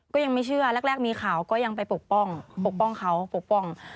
ก็ยังไม่เชื่อแรกมีข่าวก็ยังไปปกป้องปกป้องเขาปกป้อง